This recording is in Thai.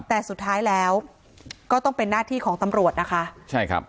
แต่สุดท้ายแล้วก็ต้องเป็นหน้าที่ของตำรวจนะคะใช่ครับ